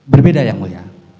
berbeda yang mulia